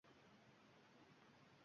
U tuhmat qilishda ayblanmoqda